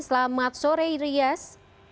selamat sore rias